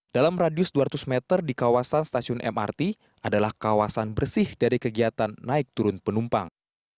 dalam radius dua ratus meter di kawasan stasiun mrt adalah kawasan bersih dari kegiatan naik turun penumpang